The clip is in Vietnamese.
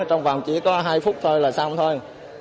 trong vòng chỉ có hai phút thôi là xong thôi